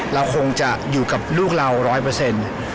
เราคงจะอยู่กับลูกเราร้อยเปอร์เซ็นต์